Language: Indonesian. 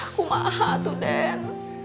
aku maha tuh den